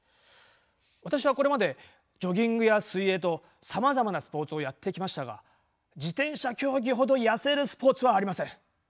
私はこれまでジョギングや水泳とさまざまなスポーツをやってきましたが自転車競技ほど痩せるスポーツはありません。